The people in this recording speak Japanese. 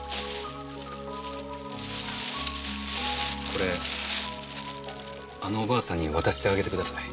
これあのおばあさんに渡してあげてください。